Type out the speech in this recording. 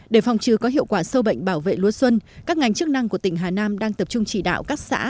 để phòng trừ có hiệu quả sâu bệnh bảo vệ lúa xuân các ngành chức năng của tỉnh hà nam đang tập trung chỉ đạo các xã